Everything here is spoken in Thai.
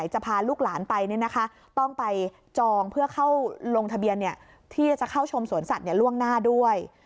จะเข้าชมสวนสัตว์ล่วงหน้าด้วย